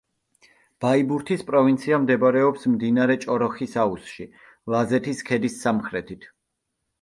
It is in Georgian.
ბაიბურთის პროვინცია მდებარეობს მდინარე ჭოროხის აუზში, ლაზეთის ქედის სამხრეთით.